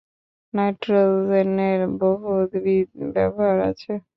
নাইট্রোজেনের বহুবিধ ব্যবহার আছে।